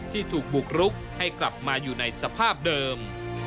ที่ถูกบุกรุกให้กลับมาอยู่ในสภาพเดิม